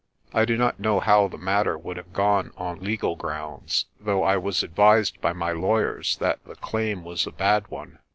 I do not know how the matter would have gone on legal grounds, though I was advised by my lawyers that the claim was a bad one.